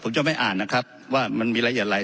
ผมจะไม่อ่านนะครับว่ามันมีรายละเอียดอะไร